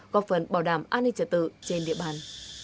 góp phần bảo đảm an ninh trật tự trên địa bàn